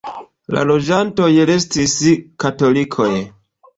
La loĝantoj restis katolikoj.